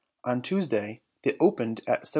On Tuesday they opened at 73f.